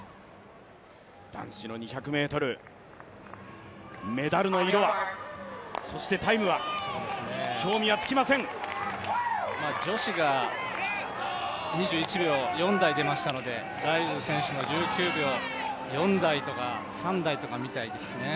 男子の２００ｍ、メダルの色は、そしてタイムは、興味は尽きません女子が２１秒４台出ましたのでライルズ選手も１９秒４台とか３台とか見たいですね。